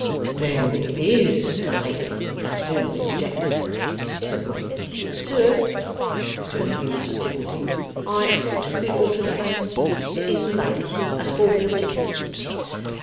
'Then it IS the lady as formerly objected?' said Wegg. 'Sir,' returned Venus with dignity, 'I accept the altered phrase. It is the lady as formerly objected.